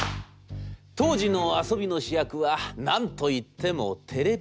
当時の遊びの主役は何と言ってもテレビゲーム。